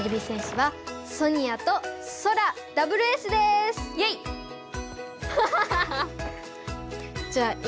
はい。